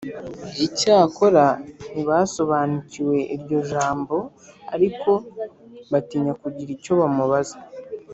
Icyakora ntibasobanukiwe iryo jambo ariko batinya kugira icyo bamubaza